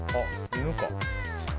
犬か。